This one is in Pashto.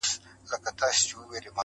o راستي د مړو هنر دئ!